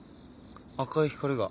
赤い光が。